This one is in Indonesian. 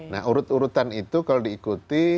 nah urut urutan itu kalau diikuti